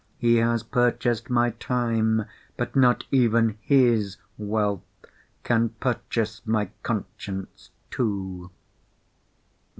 He has purchased my time, but not even his wealth can purchase my conscience too.